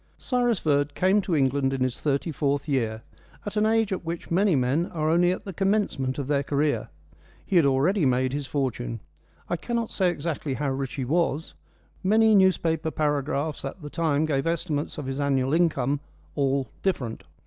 Cyrus Verd came to England in his thirty fourth year, an age at which many men are only at the commencement of their career. He had already made his fortune. I cannot say exactly how rich he was. Many newspaper paragraphs at the time gave estimates of his annual income all different.